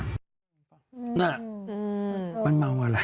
นั่น